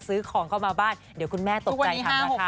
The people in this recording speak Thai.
ซื้อของเข้ามาบ้านเดี๋ยวคุณแม่ตกใจทำราคา